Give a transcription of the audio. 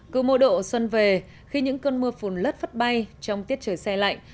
cừ mùa độ xuân về khi những cơn mưa phùn lất phất bay trong tiết trời xe lạnh